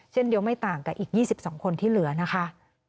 เช่นเดียวไม่ต่างกับอีก๒๒คนที่เหลือนะคะ